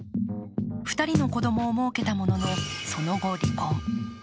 ２人の子供をもうけたもののその後、離婚。